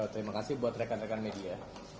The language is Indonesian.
terima kasih buat rekan rekan media